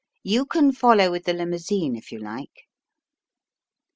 You can follow with the limousine if you like."